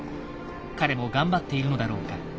彼も頑張っているのだろうか。